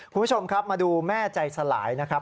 คุณผู้ชมครับมาดูแม่ใจสลายนะครับ